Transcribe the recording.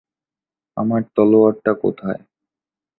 আমার তলোয়ারটা কোথায়?